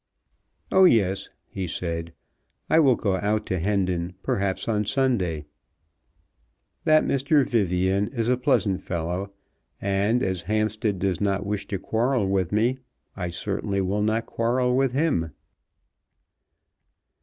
"Oh, yes," he said, "I will go out to Hendon, perhaps on Sunday. That Mr. Vivian is a pleasant fellow, and as Hampstead does not wish to quarrel with me I certainly will not quarrel with him."